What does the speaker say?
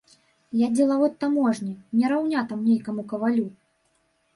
Я дзелавод таможні, не раўня там нейкаму кавалю.